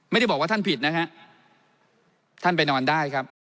ไม่ได้บอกว่าท่านผิดนะฮะท่านไปนอนได้ครับ